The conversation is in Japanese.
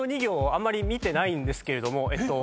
あんまり見てないんですけれども。